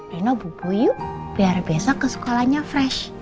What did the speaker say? reno bubu yuk biar besok ke sekolahnya fresh